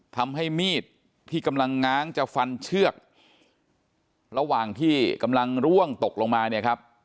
ทำให้มีดที่กำลังง้างจะฟันเชือกระหว่างที่กำลังร่วงตกลงมาเนี่ยครับ